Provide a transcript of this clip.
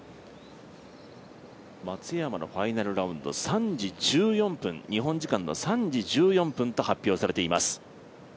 松山のファイナルラウンド、日本時間の３時１４分と発表されています。